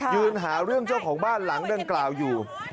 ยืนหาเรื่องเจ้าของบ้านหลังดังกล่าวอยู่